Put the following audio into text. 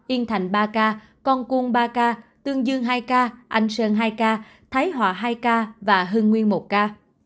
yên thành ba ca con cuông ba ca tương dương hai ca anh sơn hai ca thái họa hai ca hương nguyên một ca